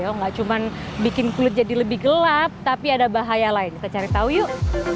enggak cuman bikin kulit jadi lebih gelap tapi ada bahaya lain kita cari tahu yuk